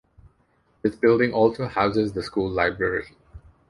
This building also houses the school library.